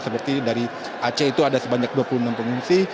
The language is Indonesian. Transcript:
seperti dari aceh itu ada sebanyak dua puluh enam pengungsi